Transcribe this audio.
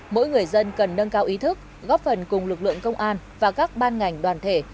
mỗi người dân cần nâng cao ý thức góp phần cùng lực lượng công an và các ban ngành đoàn thể